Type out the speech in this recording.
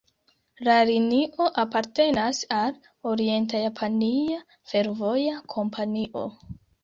La linio apartenas al Orienta-Japania Fervoja Kompanio.